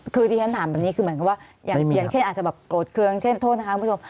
คือที่ฉันถามแบบนี้คือเหมือนกับว่าอย่างเช่นอาจจะแบบโกรธเครื่องเช่นโทษนะคะคุณผู้ชม